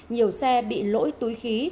nhiều xe bị lỗi túi khí